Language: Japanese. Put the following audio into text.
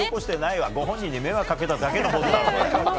ご本人に迷惑かけただけのボードだろ。